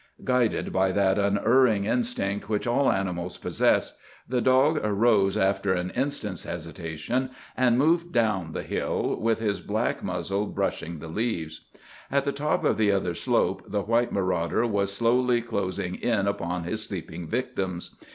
Guided by that unerring instinct which all animals possess, the dog arose after an instant's hesitation and moved down the hill with his black muzzle brushing the leaves. At the top of the other slope the white marauder was slowly closing in upon his sleeping victims.